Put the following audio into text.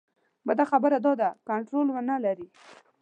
بده خبره دا ده کنټرول ونه لري.